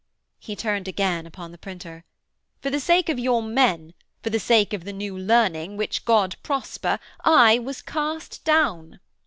He turned again upon the printer. 'For the sake of your men ... for the sake of the New Learning, which God prosper, I was cast down.'